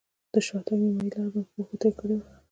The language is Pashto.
د شاتګ نیمایي لاره مې په پښو طی کړې وه.